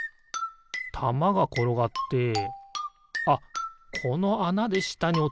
たまがころがってあっこのあなでしたにおちるんじゃないかな？